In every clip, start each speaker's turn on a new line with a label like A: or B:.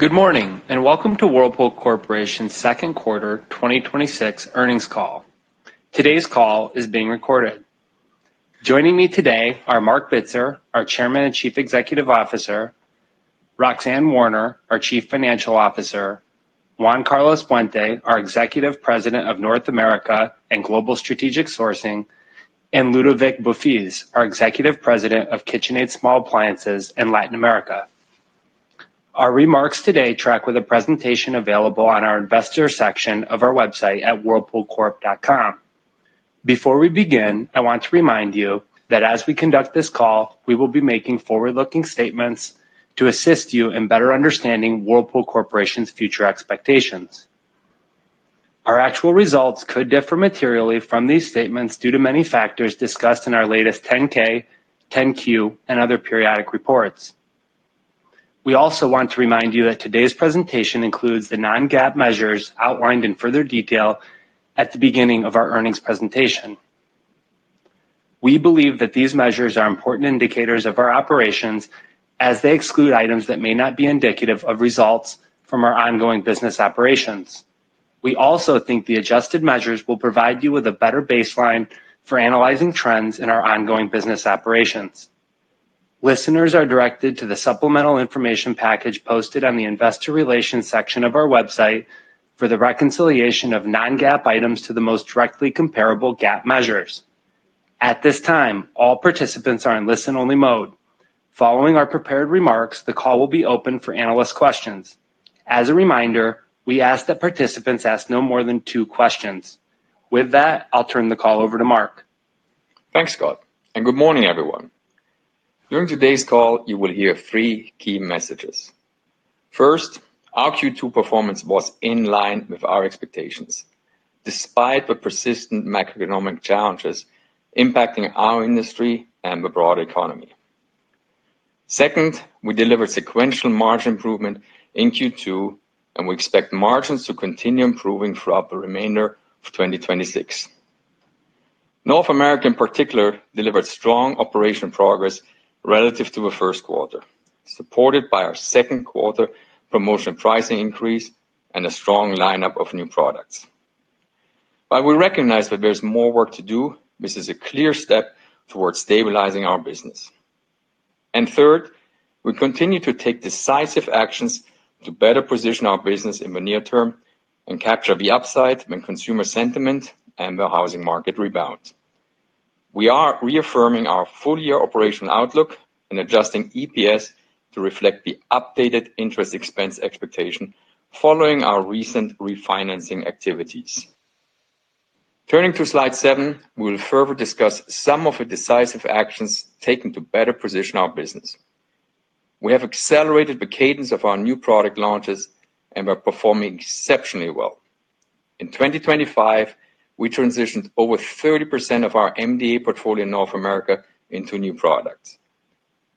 A: Good morning, welcome to Whirlpool Corporation's second quarter 2026 earnings call. Today's call is being recorded. Joining me today are Marc Bitzer, our Chairman and Chief Executive Officer, Roxanne Warner, our Chief Financial Officer, Juan Carlos Puente, our Executive President of North America and Global Strategic Sourcing, and Ludovic Beaufils, our Executive President of KitchenAid Small Appliances and Latin America. Our remarks today track with a presentation available on our investor section of our website at whirlpoolcorp.com. Before we begin, I want to remind you that as we conduct this call, we will be making forward-looking statements to assist you in better understanding Whirlpool Corporation's future expectations. Our actual results could differ materially from these statements due to many factors discussed in our latest 10-K, 10-Q, and other periodic reports. We also want to remind you that today's presentation includes the Non-GAAP measures outlined in further detail at the beginning of our earnings presentation. We believe that these measures are important indicators of our operations as they exclude items that may not be indicative of results from our ongoing business operations. We also think the adjusted measures will provide you with a better baseline for analyzing trends in our ongoing business operations. Listeners are directed to the supplemental information package posted on the investor relations section of our website for the reconciliation of Non-GAAP items to the most directly comparable GAAP measures. At this time, all participants are in listen-only mode. Following our prepared remarks, the call will be open for analyst questions. As a reminder, we ask that participants ask no more than two questions. With that, I'll turn the call over to Marc.
B: Thanks, Scott, good morning, everyone. During today's call, you will hear three key messages. First, our Q2 performance was in line with our expectations, despite the persistent macroeconomic challenges impacting our industry and the broader economy. Second, we delivered sequential margin improvement in Q2, and we expect margins to continue improving throughout the remainder of 2026. North America, in particular, delivered strong operational progress relative to the first quarter, supported by our second quarter promotion pricing increase and a strong lineup of new products. Third, we continue to take decisive actions to better position our business in the near term and capture the upside when consumer sentiment and the housing market rebound. We are reaffirming our full-year operational outlook and adjusting EPS to reflect the updated interest expense expectation following our recent refinancing activities. Turning to Slide seven, we'll further discuss some of the decisive actions taken to better position our business. We have accelerated the cadence of our new product launches and are performing exceptionally well. In 2025, we transitioned over 30% of our MDA portfolio in North America into new products.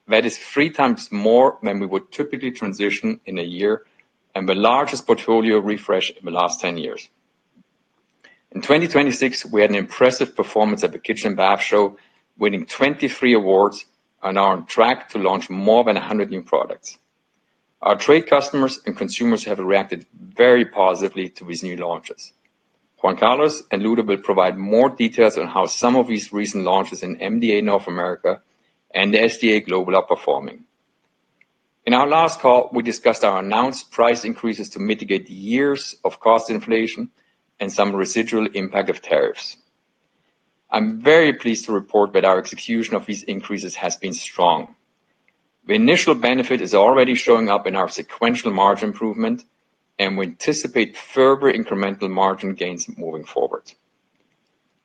B: That is 3x more than we would typically transition in a year and the largest portfolio refresh in the last 10 years. In 2026, we had an impressive performance at the Kitchen & Bath Show, winning 23 awards and are on track to launch more than 100 new products. Our trade customers and consumers have reacted very positively to these new launches. Juan Carlos and Ludovic provide more details on how some of these recent launches in MDA North America and the SDA global are performing. In our last call, we discussed our announced price increases to mitigate years of cost inflation and some residual impact of tariffs. I'm very pleased to report that our execution of these increases has been strong. The initial benefit is already showing up in our sequential margin improvement. We anticipate further incremental margin gains moving forward.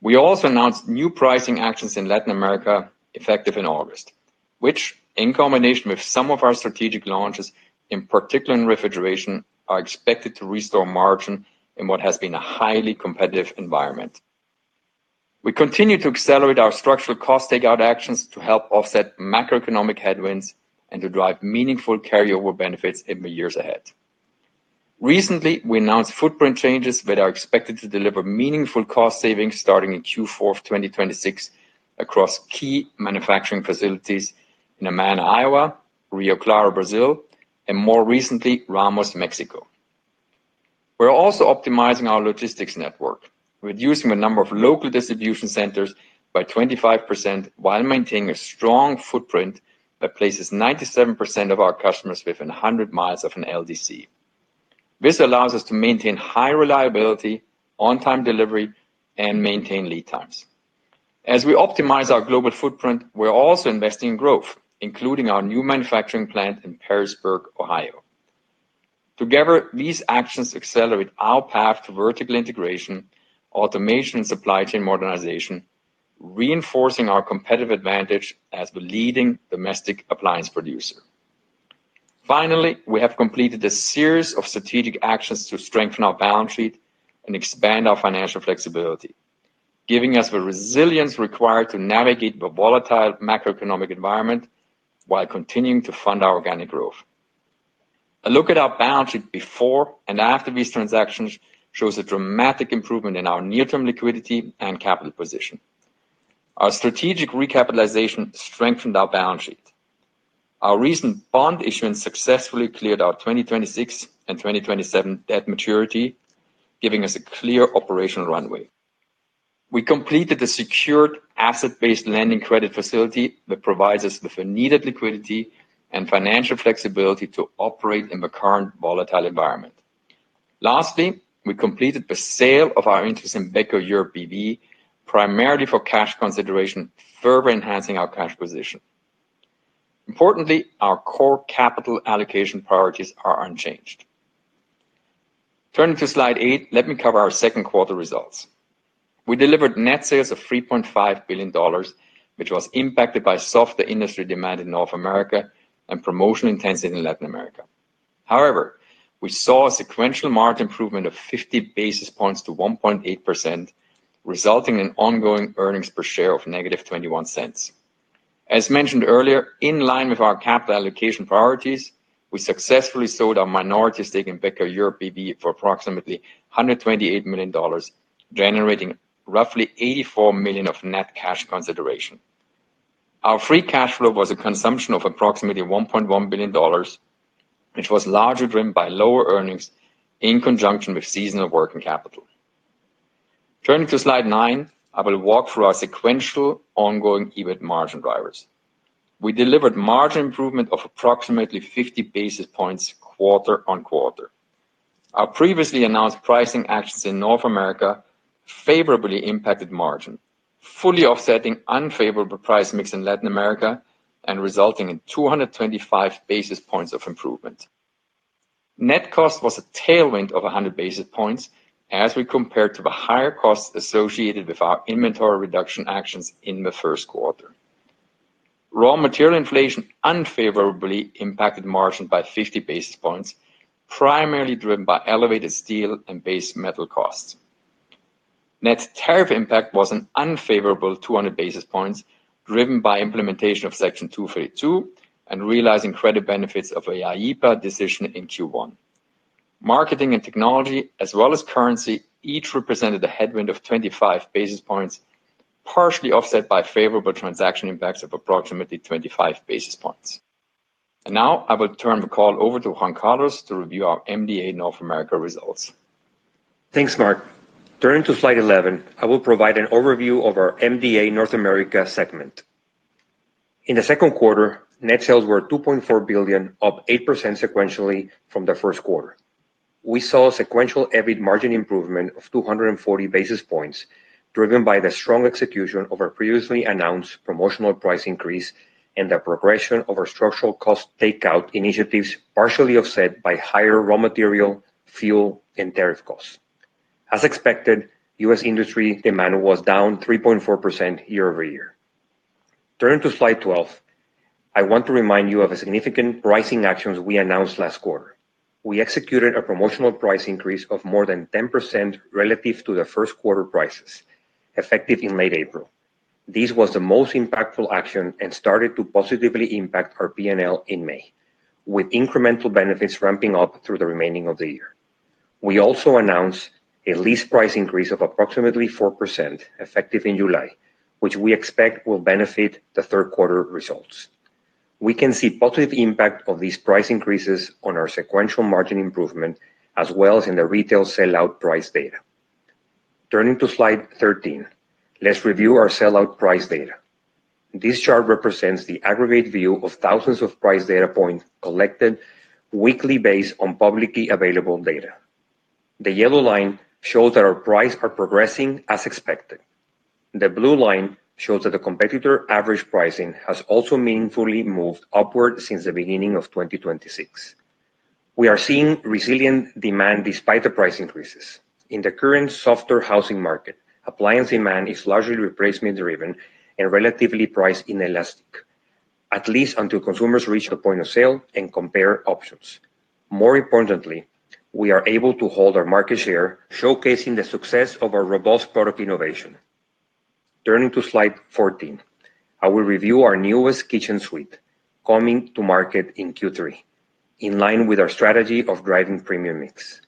B: We also announced new pricing actions in Latin America effective in August, which, in combination with some of our strategic launches, in particular in refrigeration, are expected to restore margin in what has been a highly competitive environment. We continue to accelerate our structural cost takeout actions to help offset macroeconomic headwinds and to drive meaningful carryover benefits in the years ahead. Recently, we announced footprint changes that are expected to deliver meaningful cost savings starting in Q4 2026 across key manufacturing facilities in Amana, Iowa, Rio Claro, Brazil, and more recently, Ramos, Mexico. We're also optimizing our logistics network, reducing the number of local distribution centers by 25% while maintaining a strong footprint that places 97% of our customers within 100 mi of an LDC. This allows us to maintain high reliability, on-time delivery, and maintain lead times. As we optimize our global footprint, we're also investing in growth, including our new manufacturing plant in Perrysburg, Ohio. Together, these actions accelerate our path to vertical integration, automation, and supply chain modernization, reinforcing our competitive advantage as the leading domestic appliance producer. Finally, we have completed a series of strategic actions to strengthen our balance sheet and expand our financial flexibility, giving us the resilience required to navigate the volatile macroeconomic environment while continuing to fund our organic growth. A look at our balance sheet before and after these transactions shows a dramatic improvement in our near-term liquidity and capital position. Our strategic recapitalization strengthened our balance sheet. Our recent bond issuance successfully cleared our 2026 and 2027 debt maturity, giving us a clear operational runway. We completed a secured asset-based lending credit facility that provides us with the needed liquidity and financial flexibility to operate in the current volatile environment. Lastly, we completed the sale of our interest in Beko Europe B.V., primarily for cash consideration, further enhancing our cash position. Importantly, our core capital allocation priorities are unchanged. Turning to slide eight, let me cover our second quarter results. We delivered net sales of $3.5 billion, which was impacted by softer industry demand in North America and promotional intensity in Latin America. However, we saw a sequential margin improvement of 50 basis points to 1.8%, resulting in ongoing earnings per share of -$0.21. As mentioned earlier, in line with our capital allocation priorities, we successfully sold our minority stake in Beko Europe B.V. for approximately $128 million, generating roughly $84 million of net cash consideration. Our free cash flow was a consumption of approximately $1.1 billion, which was largely driven by lower earnings in conjunction with seasonal working capital. Turning to slide nine, I will walk through our sequential ongoing EBIT margin drivers. We delivered margin improvement of approximately 50 basis points quarter-on-quarter. Our previously announced pricing actions in North America favorably impacted margin, fully offsetting unfavorable price mix in Latin America and resulting in 225 basis points of improvement. Net cost was a tailwind of 100 basis points as we compared to the higher costs associated with our inventory reduction actions in the first quarter. Raw material inflation unfavorably impacted margin by 50 basis points, primarily driven by elevated steel and base metal costs. Net tariff impact was an unfavorable 200 basis points, driven by implementation of Section 232 and realizing credit benefits of an IEEPA decision in Q1. Marketing and technology, as well as currency, each represented a headwind of 25 basis points, partially offset by favorable transaction impacts of approximately 25 basis points. Now I will turn the call over to Juan Carlos to review our MDA North America results.
C: Thanks, Marc. Turning to slide 11, I will provide an overview of our MDA North America segment. In the second quarter, net sales were $2.4 billion, up 8% sequentially from the first quarter. We saw a sequential EBIT margin improvement of 240 basis points, driven by the strong execution of our previously announced promotional price increase and the progression of our structural cost takeout initiatives, partially offset by higher raw material, fuel, and tariff costs. As expected, U.S. industry demand was down 3.4% year-over-year. Turning to slide 12, I want to remind you of the significant pricing actions we announced last quarter. We executed a promotional price increase of more than 10% relative to the first quarter prices, effective in late April. This was the most impactful action and started to positively impact our P&L in May, with incremental benefits ramping up through the remaining of the year. We also announced a list price increase of approximately 4%, effective in July, which we expect will benefit the third quarter results. We can see positive impact of these price increases on our sequential margin improvement, as well as in the retail sell-out price data. Turning to slide 13, let's review our sell-out price data. This chart represents the aggregate view of thousands of price data points collected weekly based on publicly available data. The yellow line shows that our price are progressing as expected. The blue line shows that the competitor average pricing has also meaningfully moved upward since the beginning of 2026. We are seeing resilient demand despite the price increases. In the current softer housing market, appliance demand is largely replacement driven and relatively price inelastic, at least until consumers reach the point of sale and compare options. More importantly, we are able to hold our market share, showcasing the success of our robust product innovation. Turning to slide 14, I will review our newest kitchen suite, coming to market in Q3. In line with our strategy of driving premium mix,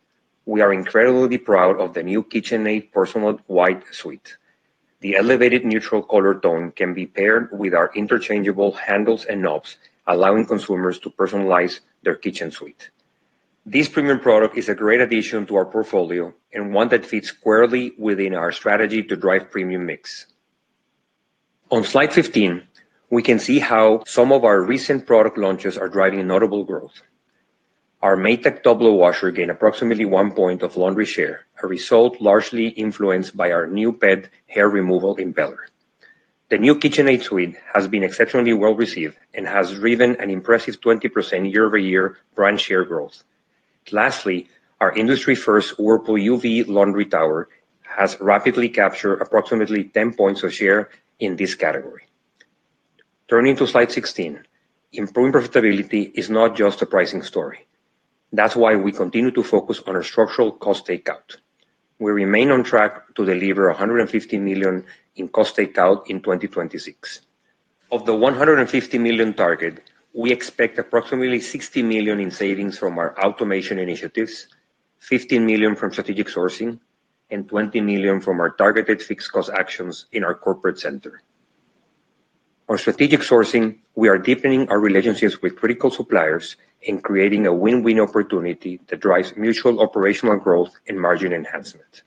C: we are incredibly proud of the new KitchenAid Personalize White suite. The elevated neutral color tone can be paired with our interchangeable handles and knobs, allowing consumers to personalize their kitchen suite. This premium product is a great addition to our portfolio and one that fits squarely within our strategy to drive premium mix. On slide 15, we can see how some of our recent product launches are driving notable growth. Our Maytag top loader washer gained approximately one point of laundry share, a result largely influenced by our new pet hair removal impeller. The new KitchenAid suite has been exceptionally well received and has driven an impressive 20% year-over-year brand share growth. Lastly, our industry first Whirlpool UV laundry tower has rapidly captured approximately 10 points of share in this category. Turning to slide 16, improving profitability is not just a pricing story. That's why we continue to focus on our structural cost takeout. We remain on track to deliver $150 million in cost takeout in 2026. Of the $150 million target, we expect approximately $60 million in savings from our automation initiatives, $15 million from strategic sourcing, and $20 million from our targeted fixed cost actions in our corporate center. On strategic sourcing, we are deepening our relationships with critical suppliers in creating a win-win opportunity that drives mutual operational growth and margin enhancement.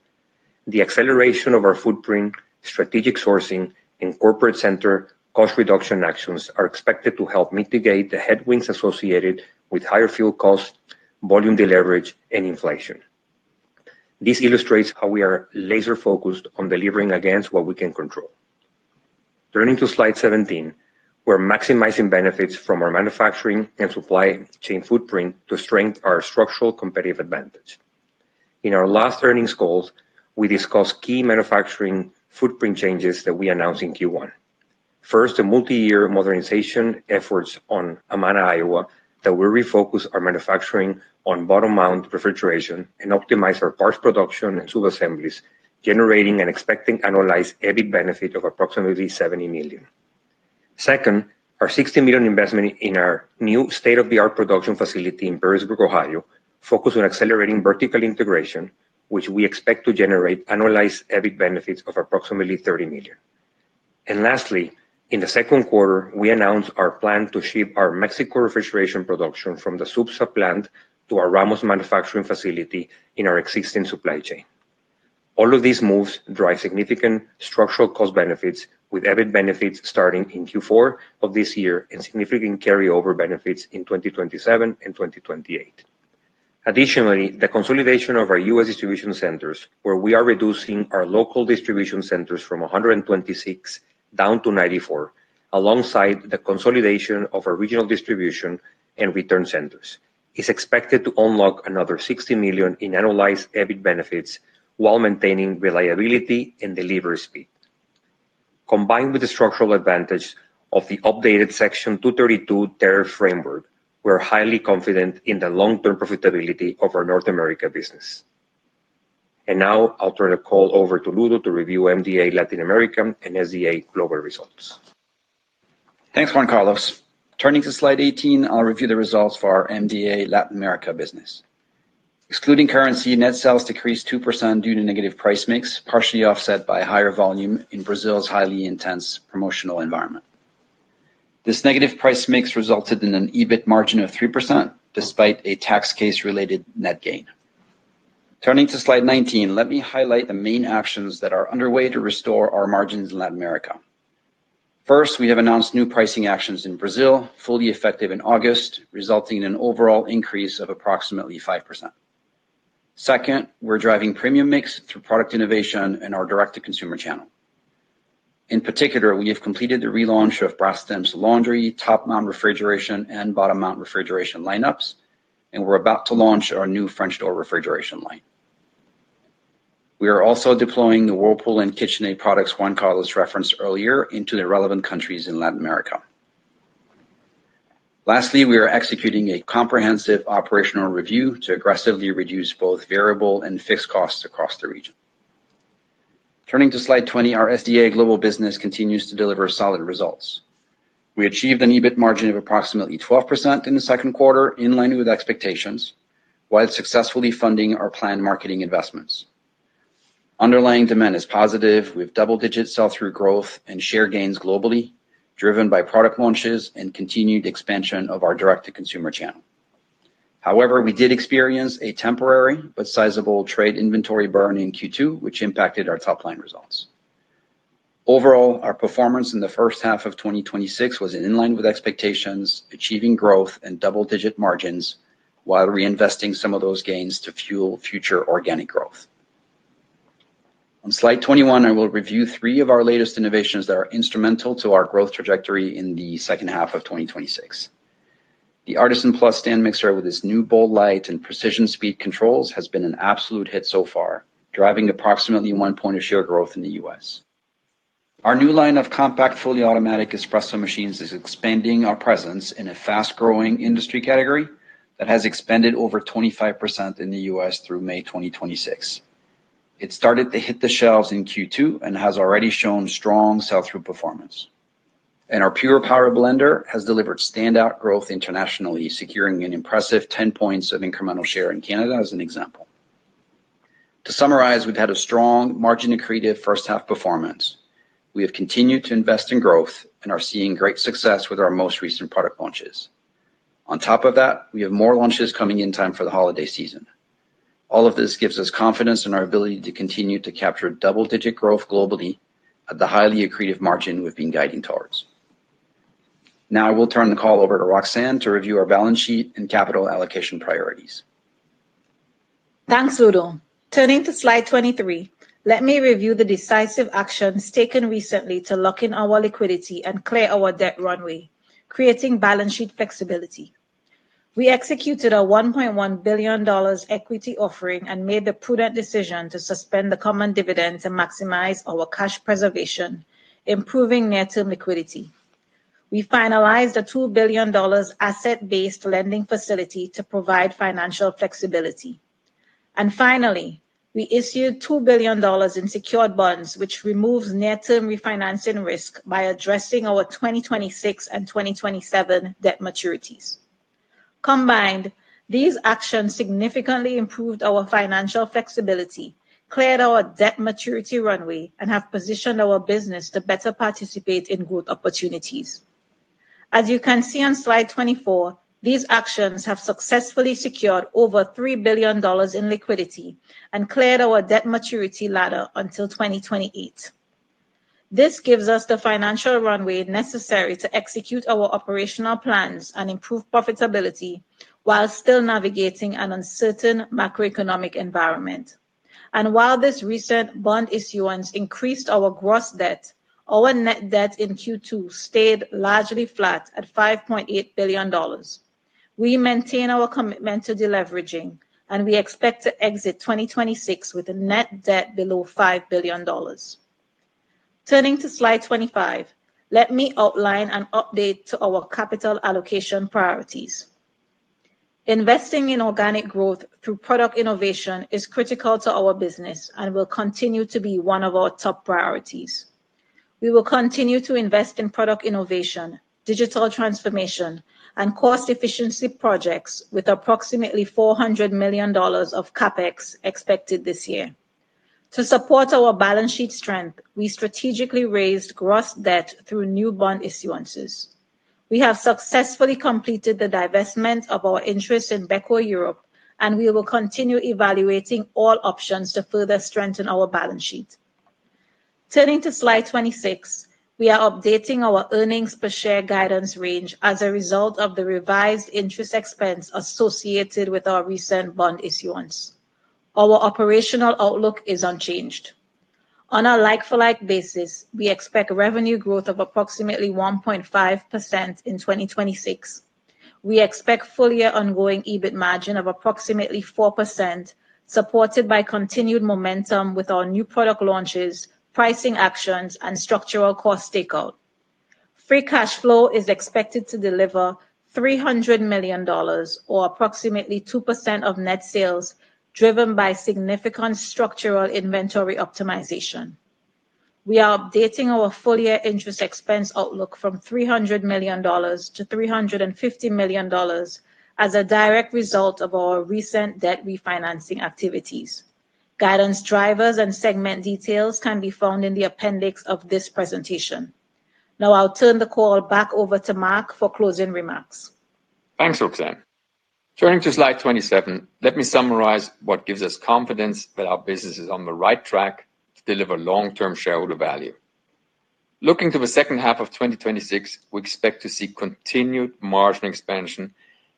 C: The acceleration of our footprint, strategic sourcing, and corporate center cost reduction actions are expected to help mitigate the headwinds associated with higher fuel costs, volume deleverage, and inflation. This illustrates how we are laser-focused on delivering against what we can control. Turning to slide 17, we're maximizing benefits from our manufacturing and supply chain footprint to strengthen our structural competitive advantage. In our last earnings calls, we discussed key manufacturing footprint changes that we announced in Q1. First, a multi-year modernization efforts on Amana, Iowa, that will refocus our manufacturing on bottom mount refrigeration and optimize our parts production and sub-assemblies, generating and expecting annualized EBIT benefit of approximately $70 million. Second, our $60 million investment in our new state-of-the-art production facility in Perrysburg, Ohio, focused on accelerating vertical integration, which we expect to generate annualized EBIT benefits of approximately $30 million. Lastly, in the second quarter, we announced our plan to ship our Mexico refrigeration production from the Supsa plant to our Ramos manufacturing facility in our existing supply chain. All of these moves drive significant structural cost benefits, with EBIT benefits starting in Q4 of this year and significant carryover benefits in 2027 and 2028. Additionally, the consolidation of our U.S. distribution centers, where we are reducing our local distribution centers from 126 down to 94, alongside the consolidation of our regional distribution and return centers, is expected to unlock another $60 million in annualized EBIT benefits while maintaining reliability and delivery speed. Combined with the structural advantage of the updated Section 232 tariff framework, we're highly confident in the long-term profitability of our North America business. Now I'll turn the call over to Ludo to review MDA Latin America and SDA global results.
D: Thanks, Juan Carlos. Turning to slide 18, I'll review the results for our MDA Latin America business. Excluding currency, net sales decreased 2% due to negative price mix, partially offset by higher volume in Brazil's highly intense promotional environment. This negative price mix resulted in an EBIT margin of 3%, despite a tax case-related net gain. Turning to slide 19, let me highlight the main actions that are underway to restore our margins in Latin America. First, we have announced new pricing actions in Brazil, fully effective in August, resulting in an overall increase of approximately 5%. Second, we're driving premium mix through product innovation and our direct-to-consumer channel. In particular, we have completed the relaunch of Brastemp's laundry, top mount refrigeration, and bottom mount refrigeration lineups, and we're about to launch our new French door refrigeration line. We are also deploying the Whirlpool and KitchenAid products Juan Carlos referenced earlier into the relevant countries in Latin America. Lastly, we are executing a comprehensive operational review to aggressively reduce both variable and fixed costs across the region. Turning to slide 20, our SDA global business continues to deliver solid results. We achieved an EBIT margin of approximately 12% in the second quarter, in line with expectations, while successfully funding our planned marketing investments. Underlying demand is positive, with double-digit sell-through growth and share gains globally, driven by product launches and continued expansion of our direct-to-consumer channel. However, we did experience a temporary but sizable trade inventory burn in Q2, which impacted our top-line results. Overall, our performance in the first half of 2026 was in line with expectations, achieving growth and double-digit margins while reinvesting some of those gains to fuel future organic growth. On slide 21, I will review three of our latest innovations that are instrumental to our growth trajectory in the second half of 2026. The Artisan Plus stand mixer with its new bold light and precision speed controls has been an absolute hit so far, driving approximately one point of share growth in the U.S. Our new line of compact, fully automatic espresso machines is expanding our presence in a fast-growing industry category that has expanded over 25% in the U.S. through May 2026. It started to hit the shelves in Q2 and has already shown strong sell-through performance. Our Pure Power Blender has delivered standout growth internationally, securing an impressive 10 points of incremental share in Canada as an example. To summarize, we've had a strong margin accretive first half performance. We have continued to invest in growth and are seeing great success with our most recent product launches. On top of that, we have more launches coming in time for the holiday season. All of this gives us confidence in our ability to continue to capture double-digit growth globally at the highly accretive margin we've been guiding towards. Now I will turn the call over to Roxanne to review our balance sheet and capital allocation priorities.
E: Thanks, Ludo. Turning to slide 23, let me review the decisive actions taken recently to lock in our liquidity and clear our debt runway, creating balance sheet flexibility. We executed a $1.1 billion equity offering and made the prudent decision to suspend the common dividend to maximize our cash preservation, improving net liquidity. We finalized a $2 billion asset-based lending facility to provide financial flexibility. Finally, we issued $2 billion in secured bonds, which removes near-term refinancing risk by addressing our 2026 and 2027 debt maturities. Combined, these actions significantly improved our financial flexibility, cleared our debt maturity runway, and have positioned our business to better participate in growth opportunities. As you can see on slide 24, these actions have successfully secured over $3 billion in liquidity and cleared our debt maturity ladder until 2028. This gives us the financial runway necessary to execute our operational plans and improve profitability while still navigating an uncertain macroeconomic environment. While this recent bond issuance increased our gross debt, our net debt in Q2 stayed largely flat at $5.8 billion. We maintain our commitment to deleveraging, and we expect to exit 2026 with a net debt below $5 billion. Turning to slide 25, let me outline an update to our capital allocation priorities. Investing in organic growth through product innovation is critical to our business and will continue to be one of our top priorities. We will continue to invest in product innovation, digital transformation, and cost efficiency projects with approximately $400 million of CapEx expected this year. To support our balance sheet strength, we strategically raised gross debt through new bond issuances. We have successfully completed the divestment of our interest in Beko Europe, we will continue evaluating all options to further strengthen our balance sheet. Turning to slide 26, we are updating our earnings per share guidance range as a result of the revised interest expense associated with our recent bond issuance. Our operational outlook is unchanged. On a like-for-like basis, we expect revenue growth of approximately 1.5% in 2026. We expect full-year ongoing EBIT margin of approximately 4%, supported by continued momentum with our new product launches, pricing actions, and structural cost takeout. Free cash flow is expected to deliver $300 million, or approximately 2% of net sales, driven by significant structural inventory optimization. We are updating our full-year interest expense outlook from $300 million-$350 million as a direct result of our recent debt refinancing activities. Guidance drivers and segment details can be found in the appendix of this presentation. I'll turn the call back over to Marc for closing remarks.
B: Thanks, Roxanne. Turning to slide 27, let me summarize what gives us confidence that our business is on the right track to deliver long-term shareholder value. Looking to the second half of 2026, we expect to see continued margin expansion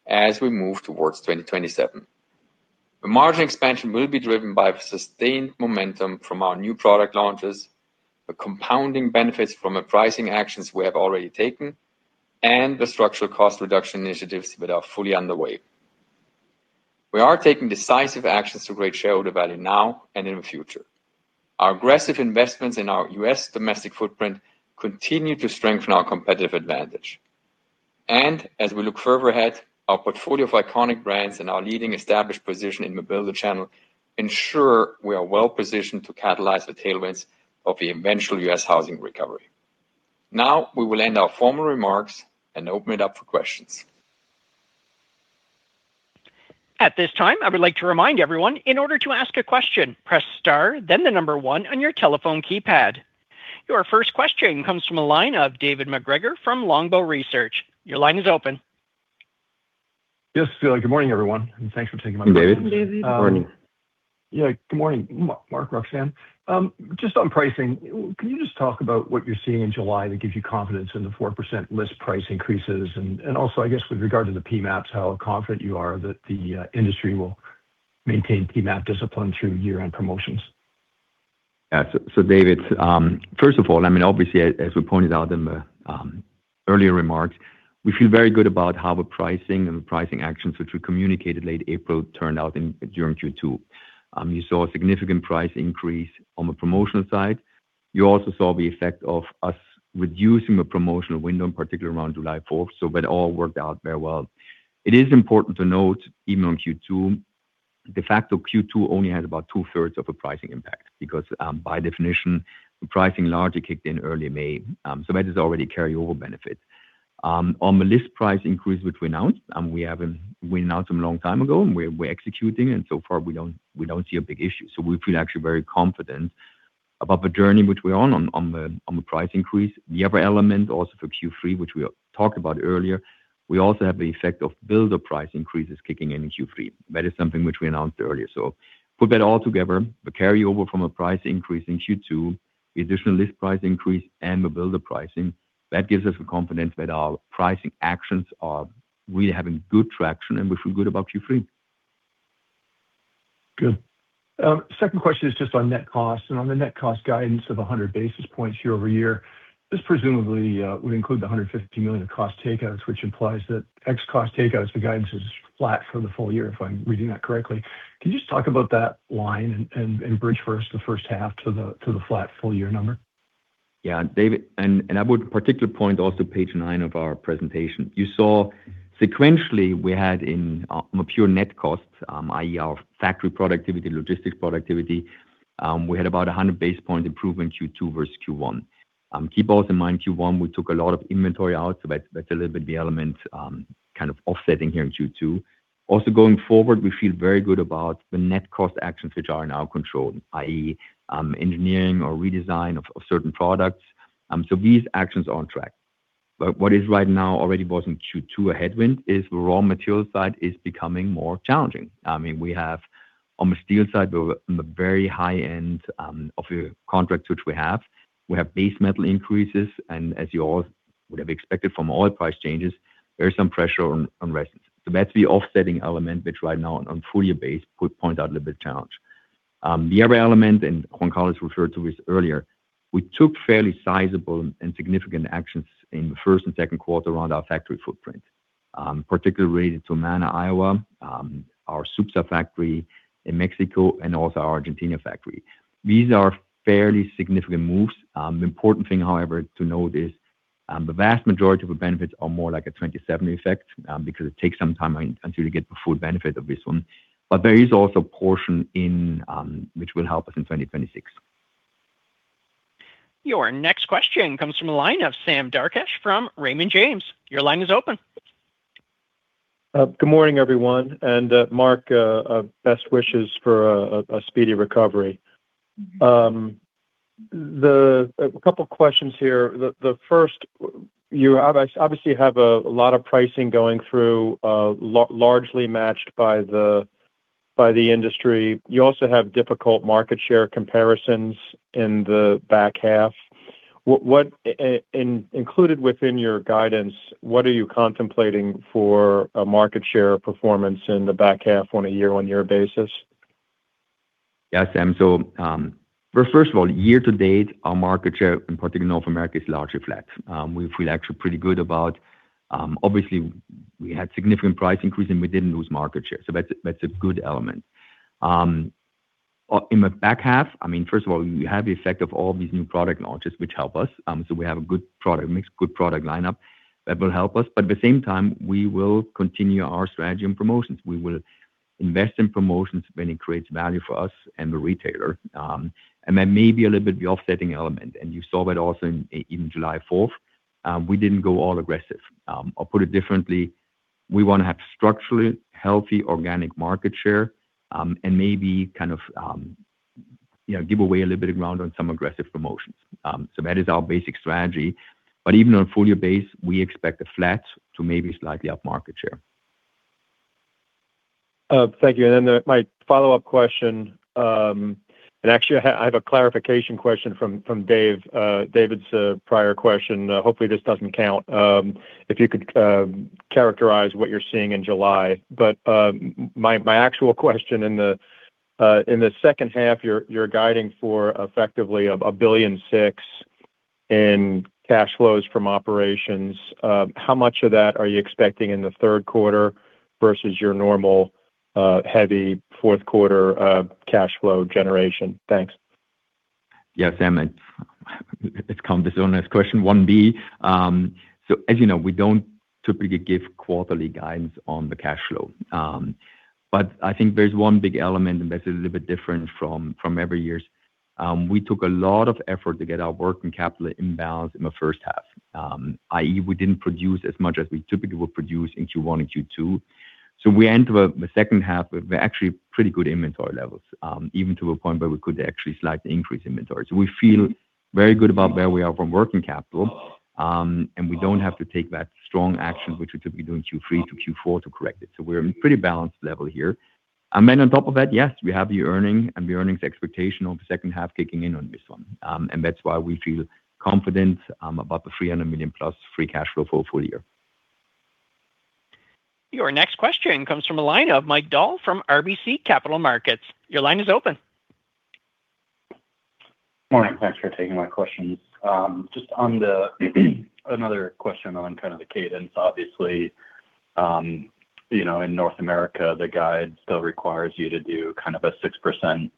B: as we move towards 2027. The margin expansion will be driven by the sustained momentum from our new product launches, the compounding benefits from the pricing actions we have already taken, and the structural cost reduction initiatives that are fully underway. We are taking decisive actions to create shareholder value now and in the future. Our aggressive investments in our U.S. domestic footprint continue to strengthen our competitive advantage. As we look further ahead, our portfolio of iconic brands and our leading established position in the builder channel ensure we are well-positioned to catalyze the tailwinds of the eventual U.S. housing recovery. Now, we will end our formal remarks and open it up for questions.
F: At this time, I would like to remind everyone, in order to ask a question, press star then the number one on your telephone keypad. Your first question comes from the line of David MacGregor from Longbow Research. Your line is open.
G: Yes. Good morning, everyone, and thanks for taking my call.
B: Hey, David.
G: Good morning, Marc, Roxanne. Just on pricing, can you just talk about what you're seeing in July that gives you confidence in the 4% list price increases? Also, I guess with regard to the MAP, how confident you are that the industry will maintain MAP discipline through year-end promotions?
B: David, first of all, obviously, as we pointed out in the earlier remarks, we feel very good about how the pricing and the pricing actions which we communicated late April turned out during Q2. You saw a significant price increase on the promotional side. You also saw the effect of us reducing the promotional window, particularly around July 4th, that all worked out very well. It is important to note, even on Q2, the fact that Q2 only had about 2/3 of a pricing impact, because by definition, the pricing largely kicked in early May, that is already carryover benefit. On the list price increase which we announced, we announced them a long time ago, and we're executing, and so far we don't see a big issue. We feel actually very confident about the journey which we're on the price increase. The other element also for Q3, which we talked about earlier, we also have the effect of builder price increases kicking in in Q3. That is something which we announced earlier. Put that all together, the carryover from a price increase in Q2, the additional list price increase, and the builder pricing, that gives us the confidence that our pricing actions are really having good traction, and we feel good about Q3.
G: Good. Second question is just on net cost and on the net cost guidance of 100 basis points year-over-year. This presumably would include the $150 million of cost takeouts, which implies that X cost takeouts, the guidance is flat for the full year, if I'm reading that correctly. Can you just talk about that line and bridge for us the first half to the flat full year number?
B: Yeah, David. I would particularly point also to page nine of our presentation. You saw sequentially we had in our pure net costs, i.e., our factory productivity, logistics productivity, we had about 100 basis points improvement Q2 versus Q1. Keep also in mind, Q1, we took a lot of inventory out, so that's a little bit the element kind of offsetting here in Q2. Also going forward, we feel very good about the net cost actions which are in our control, i.e., engineering or redesign of certain products. These actions are on track. What is right now already was in Q2 a headwind is the raw material side is becoming more challenging. On the steel side, we're on the very high end of the contracts which we have. We have base metal increases, as you all would have expected from oil price changes, there is some pressure on resins. That's the offsetting element, which right now on full-year base would point out a little bit of challenge. The other element, Juan Carlos referred to this earlier, we took fairly sizable and significant actions in the first and second quarter around our factory footprint, particularly related to Amana, Iowa, our Supsa factory in Mexico, and also our Argentina factory. These are fairly significant moves. The important thing, however, to note is the vast majority of the benefits are more like a 20-70 effect because it takes some time until you get the full benefit of this one. There is also a portion which will help us in 2026.
F: Your next question comes from the line of Sam Darkatsh from Raymond James. Your line is open.
H: Good morning, everyone. Marc, best wishes for a speedy recovery. A couple of questions here. The first, you obviously have a lot of pricing going through, largely matched by the industry. You also have difficult market share comparisons in the back half. Included within your guidance, what are you contemplating for a market share performance in the back half on a year-on-year basis?
B: Yeah, Sam. First of all, year-to-date, our market share, in particular North America, is largely flat. Obviously, we had significant price increase and we didn't lose market share, so that's a good element. In the back half, first of all, we have the effect of all these new product launches, which help us. We have a good product mix, good product lineup that will help us. At the same time, we will continue our strategy on promotions. We will invest in promotions when it creates value for us and the retailer. That may be a little bit the offsetting element. You saw that also in July 4th. We didn't go all aggressive. I'll put it differently. We want to have structurally healthy organic market share, and maybe give away a little bit of ground on some aggressive promotions. That is our basic strategy. Even on a full-year base, we expect a flat to maybe slightly up market share.
H: Thank you. My follow-up question, I have a clarification question from David's prior question. Hopefully this doesn't count. If you could characterize what you're seeing in July. My actual question, in the second half, you're guiding for effectively $1.6 billion in cash flows from operations. How much of that are you expecting in the third quarter versus your normal heavy fourth quarter cash flow generation? Thanks.
B: Yes, Sam. It's come as the next question 1B. As you know, we don't typically give quarterly guidance on the cash flow. I think there's one big element, that's a little bit different from every years. We took a lot of effort to get our working capital imbalance in the first half, i.e., we didn't produce as much as we typically would produce in Q1 and Q2. We enter the second half with actually pretty good inventory levels, even to a point where we could actually slightly increase inventory. We feel very good about where we are from working capital, we don't have to take that strong action, which we typically do in Q3-Q4 to correct it. We're in pretty balanced level here. On top of that, yes, we have the earning the earnings expectation of the second half kicking in on this one. That's why we feel confident about the $300 million+ free cash flow for a full year.
F: Your next question comes from a line of Mike Dahl from RBC Capital Markets. Your line is open.
I: Morning. Thanks for taking my questions. Another question on cadence, obviously. In North America, the guide still requires you to do a 6%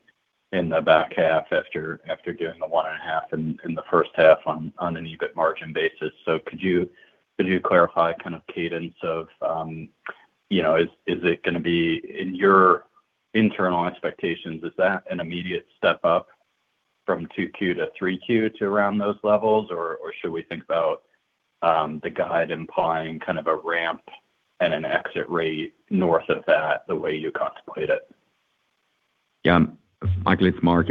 I: in the back half after doing the 1.5% in the first half on an EBIT margin basis. Could you clarify cadence of, is it going to be in your internal expectations? Is that an immediate step up from Q2-Q3 to around those levels? Should we think about the guide implying a ramp and an exit rate north of that the way you contemplate it?
B: Yeah. Michael, it's Marc.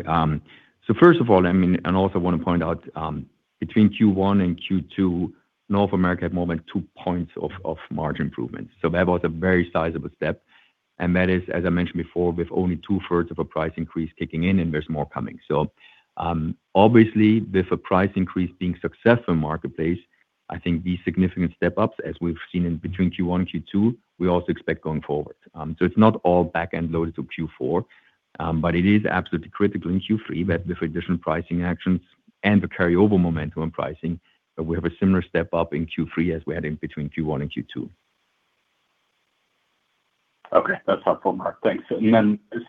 B: First of all, I want to point out between Q1-Q2, North America had more than 2 points of margin improvement. That was a very sizable step, and that is, as I mentioned before, with only 2/3 of a price increase kicking in, and there's more coming. Obviously, with the price increase being successful in the marketplace, I think these significant step-ups, as we've seen in between Q1-Q2, we also expect going forward. It's not all back-end loaded to Q4. It is absolutely critical in Q3 that with additional pricing actions and the carryover momentum in pricing, that we have a similar step-up in Q3 as we had in between Q1-Q2
I: Okay. That's helpful, Marc. Thanks.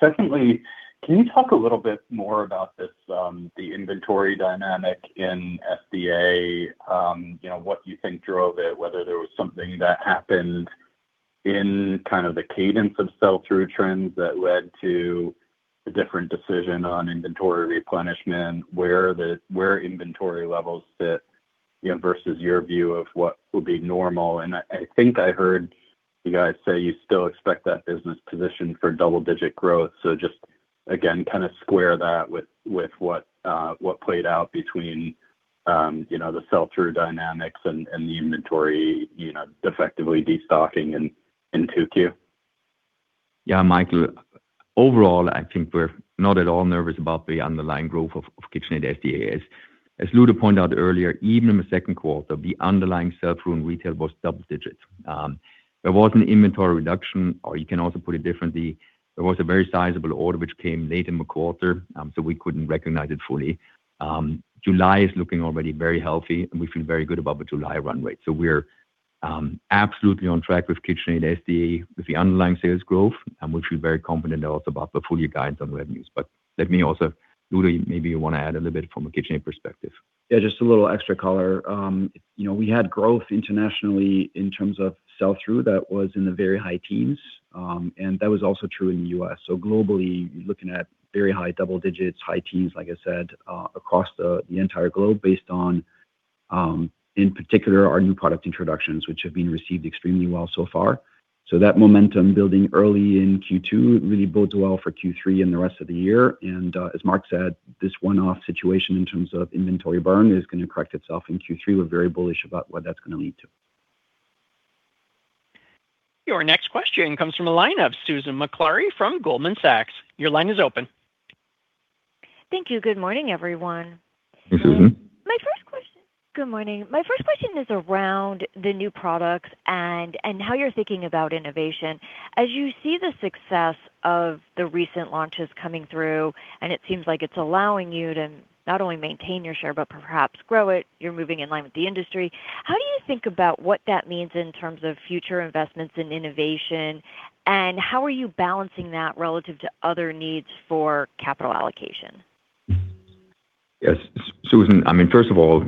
I: Secondly, can you talk a little bit more about the inventory dynamic in SDA, what you think drove it, whether there was something that happened in the cadence of sell-through trends that led to a different decision on inventory replenishment, where inventory levels sit versus your view of what would be normal. I think I heard you guys say you still expect that business position for double-digit growth. Just again, square that with what played out between the sell-through dynamics and the inventory effectively destocking in Q2.
B: Yeah, Michael. Overall, I think we're not at all nervous about the underlying growth of KitchenAid SDA. As Ludo pointed out earlier, even in the second quarter, the underlying sell-through in retail was double digits. There was an inventory reduction, or you can also put it differently, there was a very sizable order which came late in the quarter, so we couldn't recognize it fully. July is looking already very healthy, and we feel very good about the July runway. We're absolutely on track with KitchenAid SDA with the underlying sales growth, and we feel very confident also about the full-year guidance on revenues. Let me also, Ludo, maybe you want to add a little bit from a KitchenAid perspective.
D: Yeah, just a little extra color. We had growth internationally in terms of sell-through that was in the very high teens, and that was also true in the U.S. Globally, looking at very high double digits, high teens, like I said, across the entire globe based on, in particular, our new product introductions, which have been received extremely well so far. That momentum building early in Q2 really bodes well for Q3 and the rest of the year. As Marc said, this one-off situation in terms of inventory burn is going to correct itself in Q3. We're very bullish about what that's going to lead to.
F: Your next question comes from the line of Susan Maklari from Goldman Sachs. Your line is open.
J: Thank you. Good morning, everyone.
B: Hey, Susan.
J: Good morning. My first question is around the new products and how you're thinking about innovation. As you see the success of the recent launches coming through, and it seems like it's allowing you to not only maintain your share, but perhaps grow it, you're moving in line with the industry. How do you think about what that means in terms of future investments in innovation, and how are you balancing that relative to other needs for capital allocation?
B: Yes, Susan, first of all,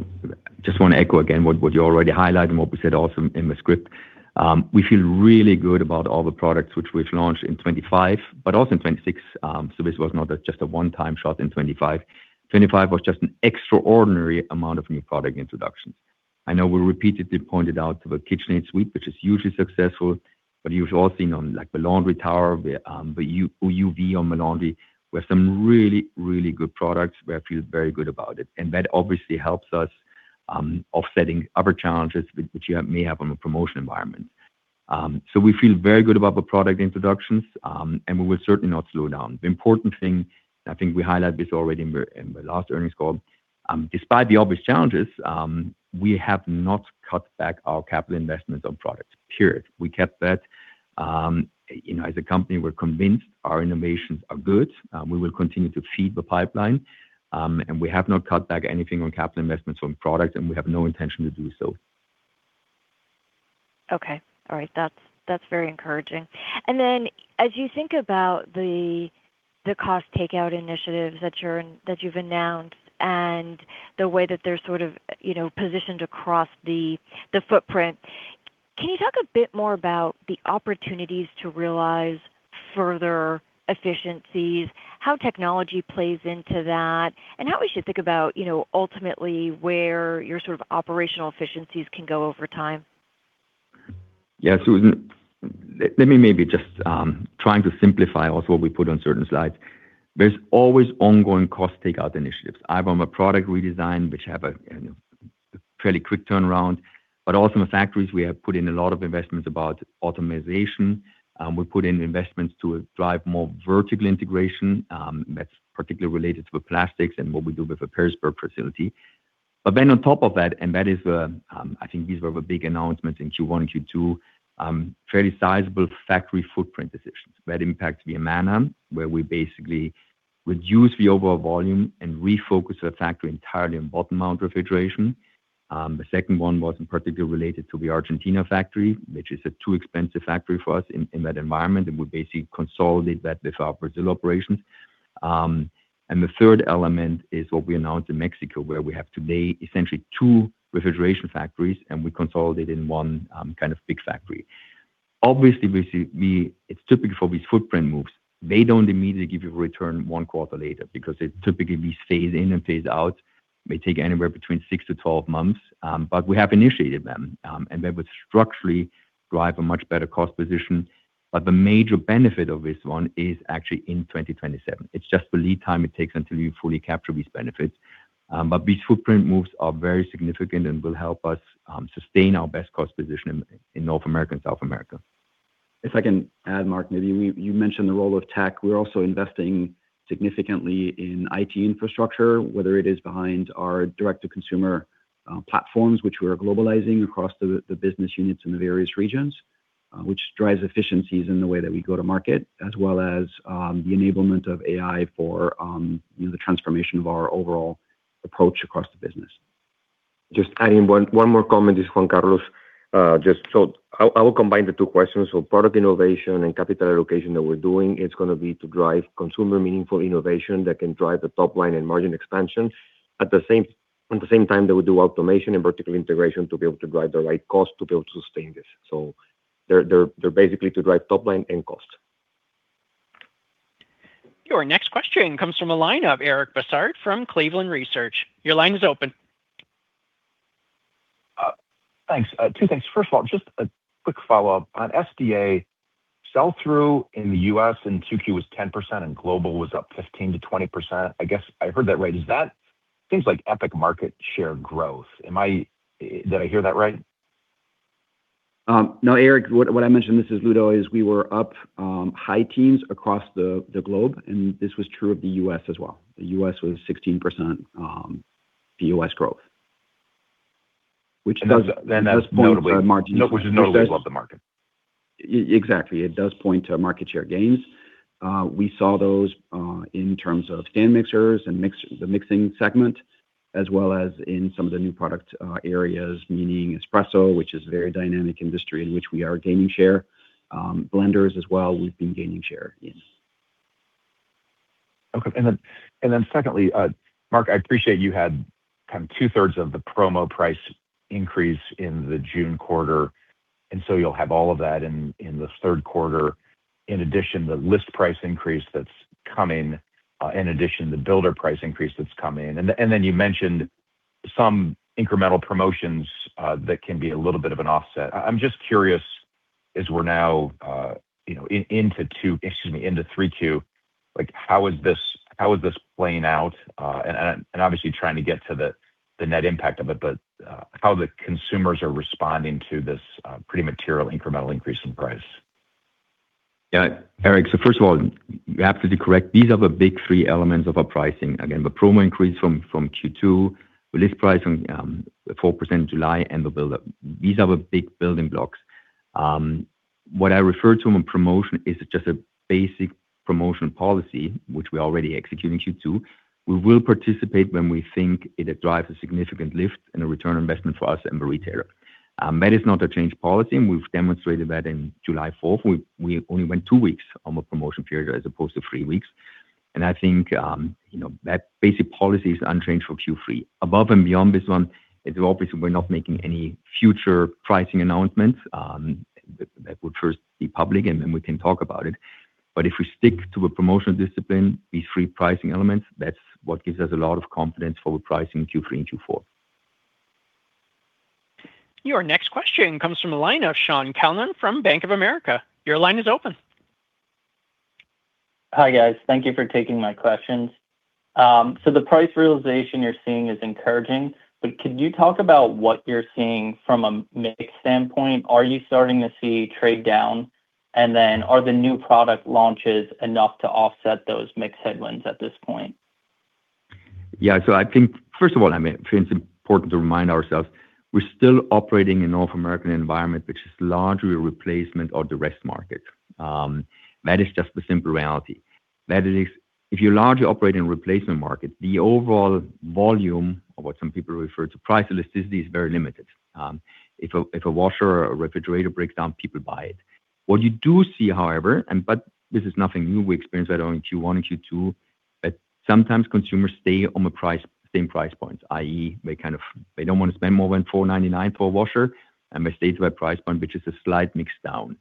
B: just want to echo again what you already highlighted and what we said also in the script. We feel really good about all the products which we've launched in 2025, but also in 2026. This was not just a one-time shot in 2025. 2025 was just an extraordinary amount of new product introductions. I know we repeatedly pointed out the KitchenAid suite, which is hugely successful, but you've all seen on the laundry tower, the UV on the laundry. We have some really, really good products where I feel very good about it. That obviously helps us offsetting other challenges which you may have on the promotion environment. We feel very good about the product introductions, and we will certainly not slow down. The important thing, I think we highlighted this already in the last earnings call, despite the obvious challenges, we have not cut back our capital investments on products, period. We kept that. As a company, we're convinced our innovations are good. We will continue to feed the pipeline, we have not cut back anything on capital investments on product, and we have no intention to do so.
J: Okay. All right. That's very encouraging. As you think about the cost takeout initiatives that you've announced and the way that they're sort of positioned across the footprint, can you talk a bit more about the opportunities to realize further efficiencies, how technology plays into that, and how we should think about ultimately where your sort of operational efficiencies can go over time?
B: Yeah, Susan, let me maybe just try to simplify also what we put on certain slides. There's always ongoing cost takeout initiatives, either on the product redesign, which have a fairly quick turnaround, but also in the factories, we have put in a lot of investments about automation. We put in investments to drive more vertical integration, that's particularly related to the plastics and what we do with the Perrysburg facility. On top of that, and that is, I think these were the big announcements in Q1 and Q2, fairly sizable factory footprint decisions. That impacts Vietnam, where we basically reduce the overall volume and refocus the factory entirely on bottom-mount refrigeration. The second one was in particular related to the Argentina factory, which is a too expensive factory for us in that environment, and we basically consolidate that with our Brazil operations. The third element is what we announced in Mexico, where we have today essentially two refrigeration factories, and we consolidate in one kind of big factory. Obviously, it's typical for these footprint moves, they don't immediately give you a return one quarter later because they typically we phase in and phase out. May take anywhere between 6 -12 months, but we have initiated them. That would structurally drive a much better cost position. But the major benefit of this one is actually in 2027. It's just the lead time it takes until you fully capture these benefits. But these footprint moves are very significant and will help us sustain our best cost position in North America and South America.
D: If I can add, Marc, maybe you mentioned the role of tech. We're also investing significantly in IT infrastructure, whether it is behind our direct-to-consumer platforms, which we are globalizing across the business units in the various regions, which drives efficiencies in the way that we go to market, as well as the enablement of AI for the transformation of our overall approach across the business.
C: Just adding one more comment. This is Juan Carlos. I will combine the two questions. Product innovation and capital allocation that we're doing, it's going to be to drive consumer meaningful innovation that can drive the top line and margin expansion. At the same time, they will do automation and vertical integration to be able to drive the right cost to be able to sustain this. They're basically to drive top line and cost.
F: Your next question comes from the line of Eric Bosshard from Cleveland Research. Your line is open.
K: Thanks. Two things. First of all, just a quick follow-up. On SDA, sell-through in the U.S. in 2Q was 10% and global was up 15%-20%. I guess I heard that right. Is that things like epic market share growth? Did I hear that right?
D: No, Eric, what I mentioned, this is Ludo, is we were up high teens across the globe, and this was true of the U.S. as well. The U.S. was 16% U.S. growth.
K: That's notably above the market.
D: Exactly. It does point to market share gains. We saw those in terms of stand mixers and the mixing segment, as well as in some of the new product areas, meaning espresso, which is a very dynamic industry in which we are gaining share. Blenders as well, we've been gaining share in.
K: Okay. Secondly, Marc, I appreciate you had 2/3 of the promo price increase in the June quarter, you'll have all of that in this third quarter. In addition, the list price increase that's coming, in addition, the builder price increase that's coming. Then you mentioned some incremental promotions that can be a little bit of an offset. I'm just curious, as we're now into 3Q, how is this playing out? Obviously, trying to get to the net impact of it, but how the consumers are responding to this pretty material incremental increase in price.
B: Yeah. Eric, first of all, you're absolutely correct. These are the big three elements of our pricing. Again, the promo increase from Q2, the list price from 4% in July, and the buildup. These are our big building blocks. What I refer to in promotion is just a basic promotion policy, which we already execute in Q2. We will participate when we think it drives a significant lift and a return on investment for us and the retailer. That is not a changed policy, and we've demonstrated that in July 4th. We only went two weeks on the promotion period as opposed to three weeks. I think that basic policy is unchanged for Q3. Above and beyond this one, obviously we're not making any future pricing announcements. That would first be public and then we can talk about it. If we stick to a promotional discipline, these three pricing elements, that's what gives us a lot of confidence for pricing Q3 and Q4.
F: Your next question comes from the line of Sean Callan from Bank of America. Your line is open.
L: Hi, guys. Thank you for taking my questions. The price realization you're seeing is encouraging, but could you talk about what you're seeing from a mix standpoint? Are you starting to see trade down? Are the new product launches enough to offset those mix headwinds at this point?
B: Yeah. I think, first of all, I think it's important to remind ourselves, we're still operating in North American environment, which is largely a replacement of the rest market. That is just the simple reality. That is, if you largely operate in replacement market, the overall volume, or what some people refer to price elasticity, is very limited. If a washer or a refrigerator breaks down, people buy it. What you do see, however, but this is nothing new, we experienced that in Q1 and Q2, that sometimes consumers stay on the same price points, i.e. they don't want to spend more than $499 for a washer, and they stay to that price point, which is a slight mix down.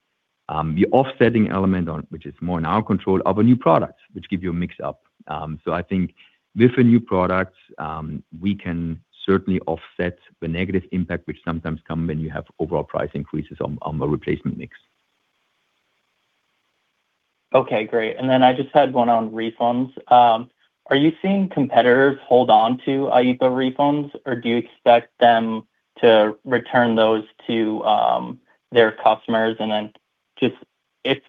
B: The offsetting element, which is more in our control, are the new products, which give you a mix up. I think with the new products, we can certainly offset the negative impact which sometimes come when you have overall price increases on the replacement mix.
L: Okay, great. I just had one on refunds. Are you seeing competitors hold on to IEEPA refunds, or do you expect them to return those to their customers? Is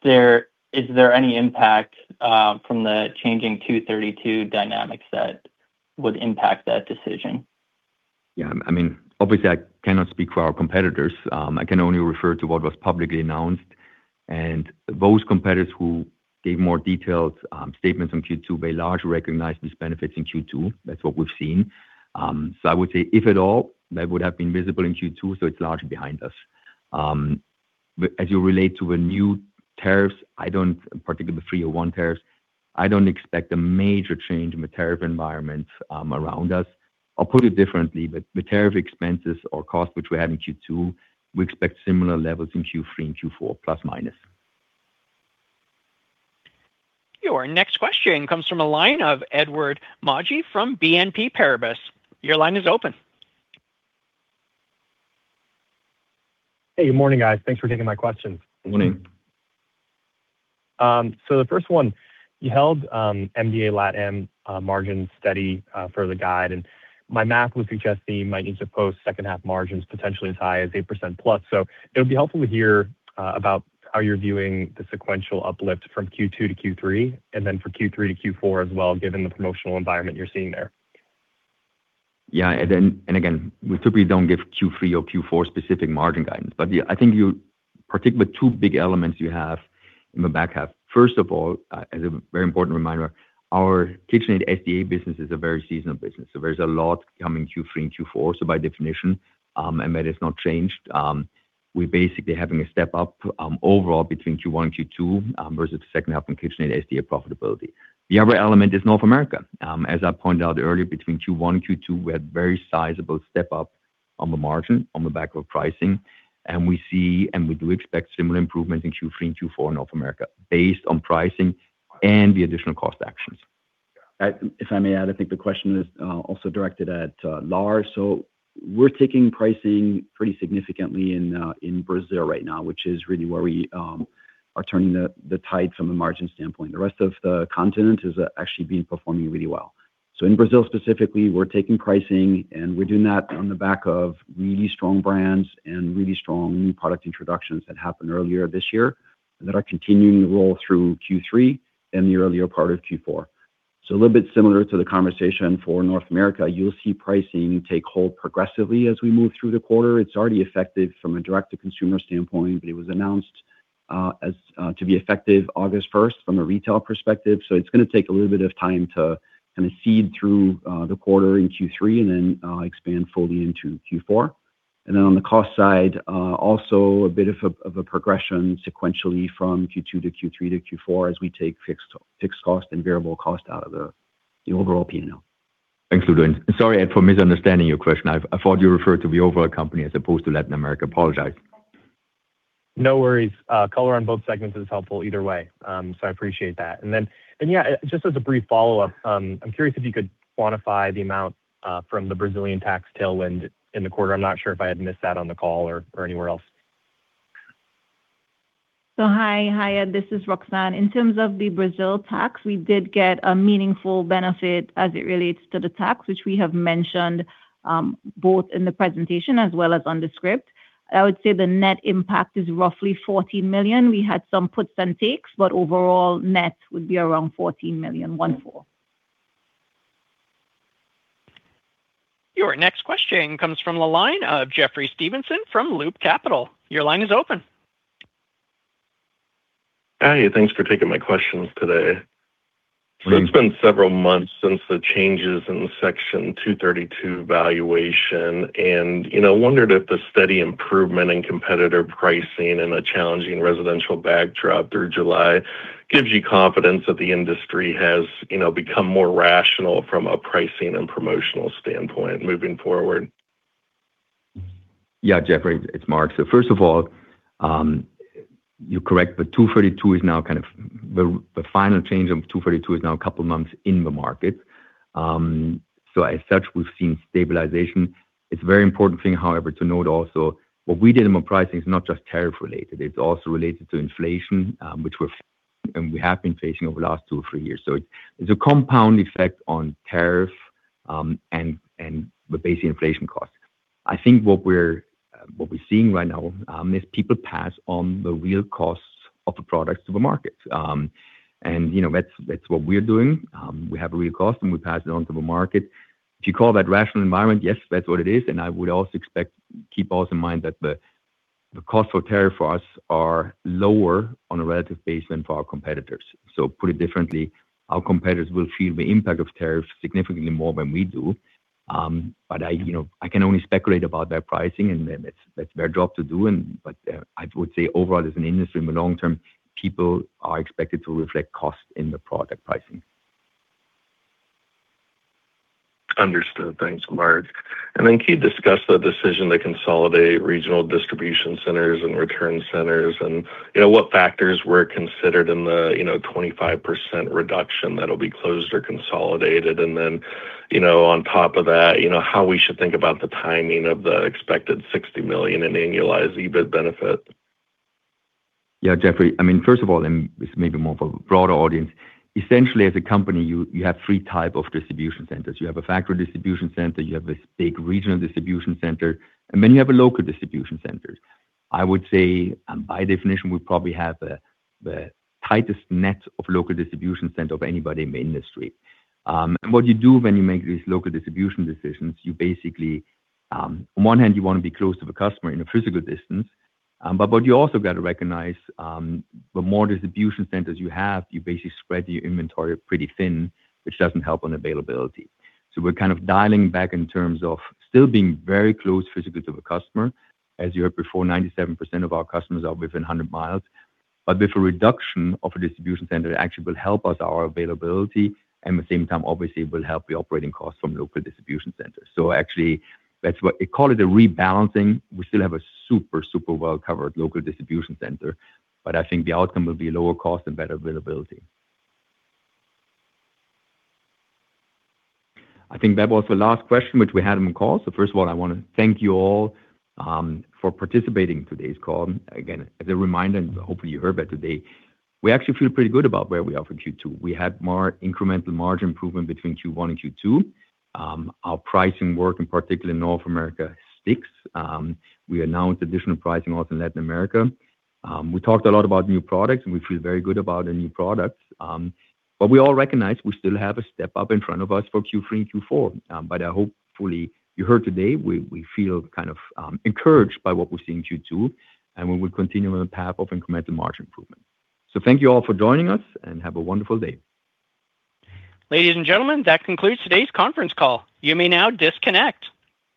L: there any impact from the changing 232 dynamics that would impact that decision?
B: Yeah. Obviously, I cannot speak for our competitors. I can only refer to what was publicly announced. Those competitors who gave more detailed statements on Q2, they largely recognized these benefits in Q2. That's what we've seen. I would say, if at all, that would have been visible in Q2, so it's largely behind us. You relate to the new tariffs, particularly the 301 tariffs, I don't expect a major change in the tariff environment around us. I'll put it differently, the tariff expenses or costs which we had in Q2, we expect similar levels in Q3 and Q4, plus/minus.
F: Your next question comes from the line of Edward Magi from BNP Paribas. Your line is open.
M: Hey, good morning, guys. Thanks for taking my questions.
B: Good morning.
M: The first one, you held MDA LatAm margin steady for the guide, my math would suggest that you might need to post second half margins potentially as high as 8%+. It would be helpful to hear about how you're viewing the sequential uplift from Q2-Q3, and then for Q3-Q4 as well, given the promotional environment you're seeing there.
B: Again, we typically don't give Q3 or Q4 specific margin guidance, I think you Particularly two big elements you have in the back half. First of all, as a very important reminder, our KitchenAid SDA business is a very seasonal business. There's a lot coming Q3 and Q4. By definition, and that has not changed, we're basically having a step up overall between Q1 and Q2 versus the second half in KitchenAid SDA profitability. The other element is North America. As I pointed out earlier, between Q1 and Q2, we had very sizable step up on the margin on the back of pricing. We see, and we do expect similar improvement in Q3 and Q4 in North America based on pricing and the additional cost actions.
D: If I may add, I think the question is also directed at Lars. We're taking pricing pretty significantly in Brazil right now, which is really where we are turning the tide from a margin standpoint. The rest of the continent has actually been performing really well. In Brazil specifically, we're taking pricing, and we're doing that on the back of really strong brands and really strong new product introductions that happened earlier this year that are continuing to roll through Q3 and the earlier part of Q4. A little bit similar to the conversation for North America, you'll see pricing take hold progressively as we move through the quarter. It's already effective from a direct-to-consumer standpoint, but it was announced to be effective August 1st from a retail perspective. It's going to take a little bit of time to kind of seed through the quarter in Q3 and then expand fully into Q4. On the cost side, also a bit of a progression sequentially from Q2 to Q3 to Q4 as we take fixed cost and variable cost out of the overall P&L.
B: Thanks, Ludovic. Sorry, Edward, for misunderstanding your question. I thought you referred to the overall company as opposed to Latin America. Apologize.
M: No worries. Color on both segments is helpful either way. I appreciate that. Just as a brief follow-up, I'm curious if you could quantify the amount from the Brazilian tax tailwind in the quarter. I'm not sure if I had missed that on the call or anywhere else.
E: Hi, this is Roxanne. In terms of the Brazil tax, we did get a meaningful benefit as it relates to the tax, which we have mentioned both in the presentation as well as on the script. I would say the net impact is roughly $40 million. We had some puts and takes, but overall net would be around $14 million.
F: Your next question comes from the line of Jeffrey Stevenson from Loop Capital. Your line is open.
N: Hi, thanks for taking my questions today. It's been several months since the changes in Section 232 valuation, and I wondered if the steady improvement in competitor pricing and a challenging residential backdrop through July gives you confidence that the industry has become more rational from a pricing and promotional standpoint moving forward.
B: Yeah, Jeffrey, it's Marc. First of all, you're correct. The final change of 232 is now a couple of months in the market. As such, we've seen stabilization. It's a very important thing, however, to note also what we did on pricing is not just tariff related. It's also related to inflation, which we have been facing over the last two or three years. It's a compound effect on tariff and the basic inflation cost. I think what we're seeing right now is people pass on the real costs of the products to the market. That's what we're doing. We have a real cost, and we pass it on to the market. If you call that rational environment, yes, that's what it is. I would also expect, keep also in mind that the cost for tariff for us are lower on a relative base than for our competitors. Put it differently, our competitors will feel the impact of tariffs significantly more than we do. I can only speculate about their pricing, and that's their job to do. I would say overall as an industry in the long term, people are expected to reflect cost in the product pricing.
N: Understood. Thanks, Marc. Can you discuss the decision to consolidate regional distribution centers and return centers and what factors were considered in the 25% reduction that'll be closed or consolidated? On top of that, how we should think about the timing of the expected $60 million in annualized EBIT benefit?
B: Jeffrey, first of all, and this may be more for a broader audience, essentially as a company, you have three type of distribution centers. You have a factory distribution center, you have this big regional distribution center, and then you have a local distribution centers. I would say, by definition, we probably have the tightest net of local distribution center of anybody in the industry. What you do when you make these local distribution decisions, you basically, on one hand, you want to be close to the customer in a physical distance. You also got to recognize, the more distribution centers you have, you basically spread your inventory pretty thin, which doesn't help on availability. We're kind of dialing back in terms of still being very close physically to the customer. As you heard before, 97% of our customers are within 100 miles. With a reduction of a distribution center, actually will help us our availability, and at the same time, obviously, will help the operating costs from local distribution centers. Actually, that's call it a rebalancing. We still have a super well-covered local distribution center, but I think the outcome will be lower cost and better availability. I think that was the last question which we had on the call. First of all, I want to thank you all for participating in today's call. As a reminder, and hopefully you heard that today, we actually feel pretty good about where we are for Q2. We had more incremental margin improvement between Q1-Q2. Our pricing work, in particular in North America, sticks. We announced additional pricing also in Latin America. We talked a lot about new products, and we feel very good about the new products. We all recognize we still have a step up in front of us for Q3 and Q4. Hopefully you heard today, we feel kind of encouraged by what we see in Q2, and we will continue on the path of incremental margin improvement. Thank you all for joining us, and have a wonderful day.
F: Ladies and gentlemen, that concludes today's conference call. You may now disconnect.